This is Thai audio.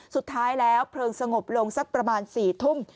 สุดท้ายแล้วเพลิงสงบลงสักประมาณ๔ทุ่ม